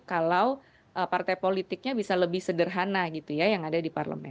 kalau partai politiknya bisa lebih sederhana gitu ya yang ada di parlemen